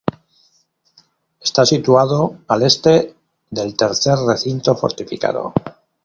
Está situado al este del Tercer Recinto Fortificado.